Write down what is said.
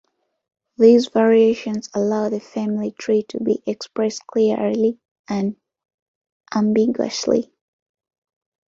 These variations allow the family tree to be expressed clearly and unambiguously.